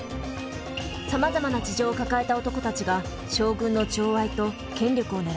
さまざまな事情を抱えた男たちが将軍の寵愛と権力を狙います。